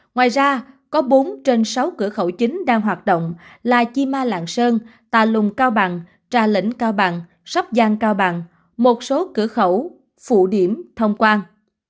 ngoài ra có bốn trên sáu cửa khẩu chính đang hoạt động là chi ma lạng sơn tà lùng cao bằng trà lĩnh cao bằng sóc giang cao bằng một số cửa khẩu phụ điểm thông quang